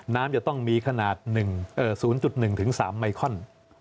น้ำจะต้องมีขนาด๐๑๓ไมคอน